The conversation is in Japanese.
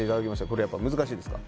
これやっぱ難しいですか？